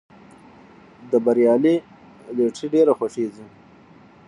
د بریالي لټیري ډېر خوښیږي.